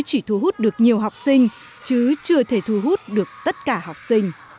chỉ thu hút được nhiều học sinh chứ chưa thể thu hút được tất cả học sinh